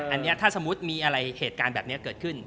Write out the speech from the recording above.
อันนี้ถ้าสมมุติมีอะไรเหตุการณ์แบบนี้เกิดขึ้น